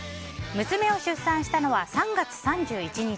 娘を出産したのは３月３１日。